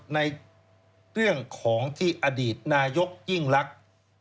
ในเรื่องของที่อดีตนายกยิ่งลักษณ์